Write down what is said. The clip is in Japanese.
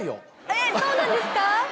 えっそうなんですか？